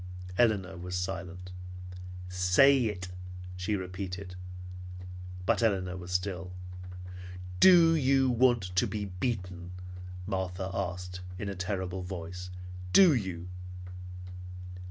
Elinor was silent. "Say it!" she repeated. But Elinor was still. "Do you want to be beaten?" Martha asked in a terrible voice. "Do you?"